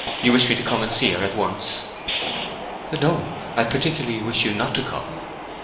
You wish me to come and see her at once?" "No; I particularly wish you not to come."